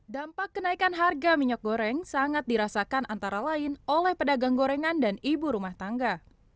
dampak kenaikan harga minyak goreng sangat dirasakan antara lain oleh pedagang gorengan dan ibu rumah tangga